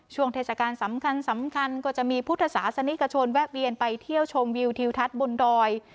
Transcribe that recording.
เทศกาลสำคัญสำคัญก็จะมีพุทธศาสนิกชนแวะเวียนไปเที่ยวชมวิวทิวทัศน์บนดอย